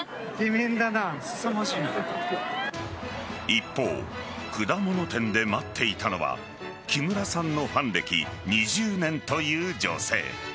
一方、果物店で待っていたのは木村さんのファン歴２０年という女性。